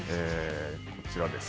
こちらです。